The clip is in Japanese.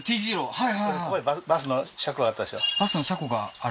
はい